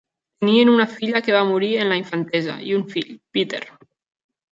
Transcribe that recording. Tenien una filla que va morir en la infantesa, i un fill, Peter.